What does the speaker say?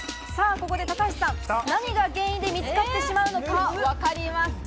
ここで高橋さん、何が原因で見つかってしまうのか、わかりますか？